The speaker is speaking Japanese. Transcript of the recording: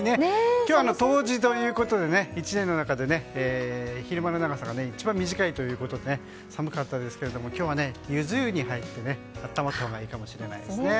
今日は冬至ということでね１年の中で、昼間の長さが一番短いということで寒かったですけども今日はゆず湯に入って温まったほうがいいかもしれないですね。